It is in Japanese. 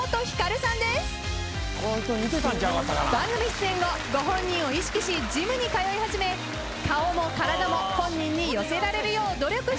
番組出演後ご本人を意識しジムに通い始め顔も体も本人に寄せられるよう努力しているそうです。